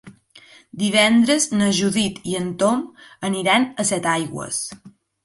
Divendres na Judit i en Tom aniran a Setaigües.